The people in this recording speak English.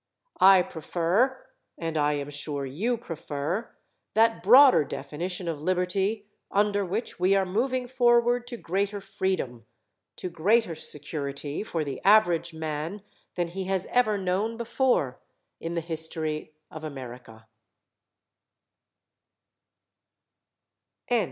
I prefer and I am sure you prefer that broader definition of liberty under which we are moving forward to greater freedom, to greater security for the average man than he has ever known before in the history of America.